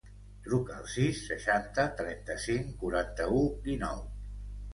Truca al sis, seixanta, trenta-cinc, quaranta-u, dinou.